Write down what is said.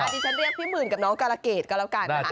ดิฉันเรียกพี่หมื่นกับน้องการะเกดก็แล้วกันนะคะ